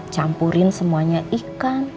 campurin semuanya ikan